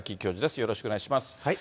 よろしくお願いします。